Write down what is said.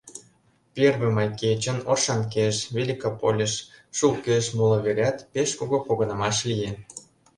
Первый май кечын Оршанкеш, Великополеш, Шулкеш, моло вереат пеш кугу погынымаш лие.